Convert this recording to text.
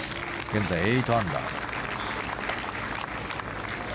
現在、８アンダー。